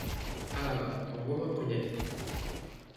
Ah ! envoie-moi Prunette !…